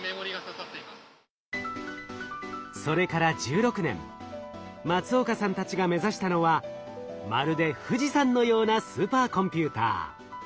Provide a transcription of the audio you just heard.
それから１６年松岡さんたちが目指したのはまるで富士山のようなスーパーコンピューター。